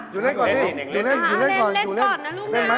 ตรงนี้พี่เขาคนเล่นด้วยเยอะแยะเลย